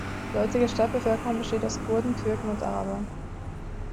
Die heutige Stadtbevölkerung besteht aus Kurden, Türken und Arabern.